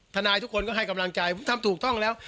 ทุกคนก็ให้กำลังใจผมทำถูกต้องแล้ว